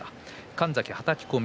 神崎は、はたき込み。